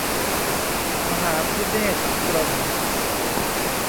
มหาภิเนษกรมณ์